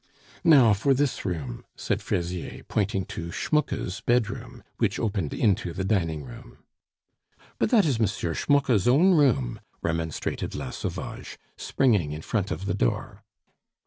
"Now for this room," said Fraisier, pointing to Schmucke's bedroom, which opened into the dining room. "But that is M. Schmucke's own room," remonstrated La Sauvage, springing in front of the door.